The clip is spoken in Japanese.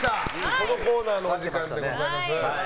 このコーナーのお時間でございます。